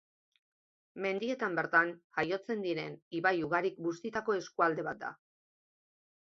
Mendietan bertan jaiotzen diren ibai ugarik bustitako eskualde bat da.